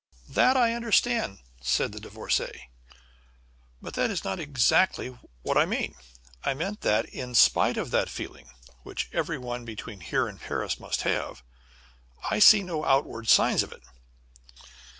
"That I understand," said the Divorcée, "but that is not exactly what I mean. I meant that, in spite of that feeling which every one between here and Paris must have, I see no outward signs of it."